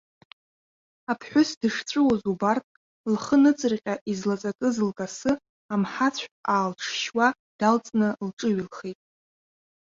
Аԥҳәыс дышҵәыуоз убартә, лхы ныҵырҟьа излаҵакыз лкасы амҳацә аалҿшьуа далҵны лҿыҩалхеит.